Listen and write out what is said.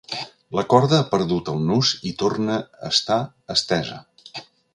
La corda ha perdut el nus i torna a estar estesa.